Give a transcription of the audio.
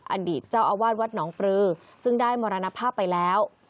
อดีตเจ้าอาวาสวัดหนองปลือซึ่งได้มรณภาพไปแล้ว